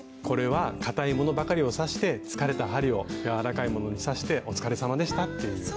これはかたいものばかりを刺して疲れた針をやわらかいものに刺して「お疲れさまでした」っていう。